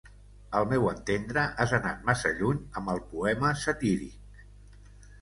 Al meu entendre has anat massa lluny amb el poema satíric.